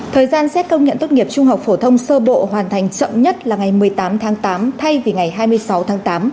thời gian xét công nhận tốt nghiệp trung học phổ thông sơ bộ hoàn thành chậm nhất là ngày một mươi tám tháng tám thay vì ngày hai mươi sáu tháng tám